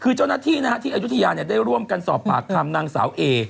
คือเจ้าหน้าที่ที่อายุทยาได้ร่วมกันสอบปากคำนางสาวเอ